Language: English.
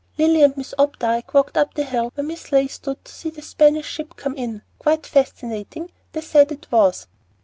Lilly and Miss Opdyke walked up to the hill where Mrs. Leigh stood to see the Spanish ship come in, quite fascinating, they said it was."